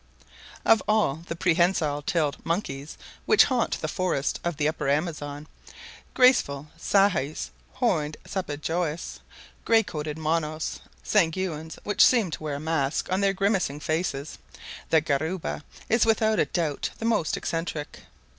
Of all the prehensile tailed monkeys which haunt the forests of the Upper Amazon graceful sahuis, horned sapajous, gray coated monos, sagouins which seem to wear a mask on their grimacing faces the guariba is without doubt the most eccentric.